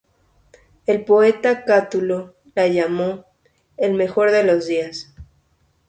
El poeta Catulo la llamó "el mejor de los días".